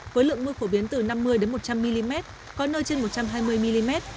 với lượng mưa phổ biến từ năm mươi một trăm linh mm có nơi trên một trăm hai mươi mm